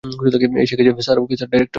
এসেগেছে, sir okay sir, - director?